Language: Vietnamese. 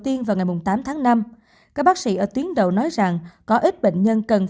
tiên vào ngày tám tháng năm các bác sĩ ở tuyến đầu nói rằng có ít bệnh nhân cần